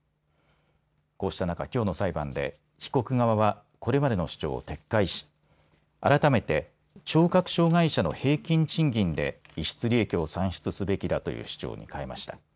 こうした中、きょうの裁判で被告側はこれまでの主張を撤回し改めて聴覚障害者の平均賃金で逸失利益を算出すべきだという主張に変えました。